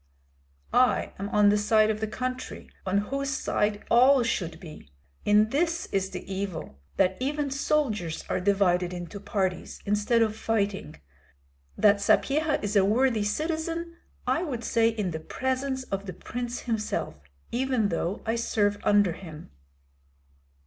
"I am on the side of the country, on whose side all should be. In this is the evil, that even soldiers are divided into parties, instead of fighting. That Sapyeha is a worthy citizen, I would say in the presence of the prince himself, even though I serve under him."